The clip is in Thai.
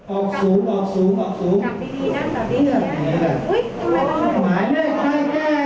ออกสูงออกสูงออกสูง